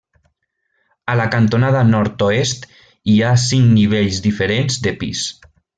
A la cantonada nord-oest hi ha cinc nivells diferents de pis.